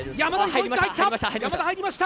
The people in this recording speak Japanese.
山田、入りました！